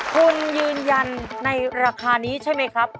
คุณยืนยันในราคานี้ใช่ไหมครับ